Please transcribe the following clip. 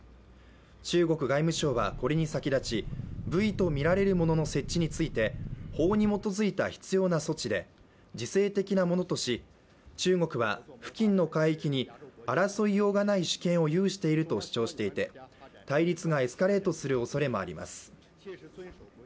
中国外務省はこれに先立ちブイとみられるものの設置について法に基づいた必要な措置で、自制的なものとし、中国は付近の海域に争いようがない主権を有していると主張していて対立がエスカレートするおそれもあります。